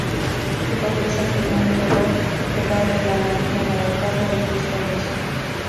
Su corteza tiene un color que va del amarillo anaranjado al gris cenizo.